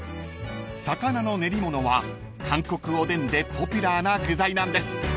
［魚の練り物は韓国おでんでポピュラーな具材なんです］